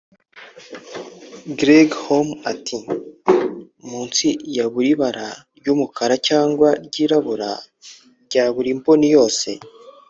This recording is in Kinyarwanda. Gregg Home ati "Munsi ya buri bara ry’umukara cyangwa ryirabura rya buri mboni yose